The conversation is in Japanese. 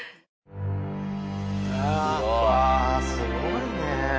わぁすごいね。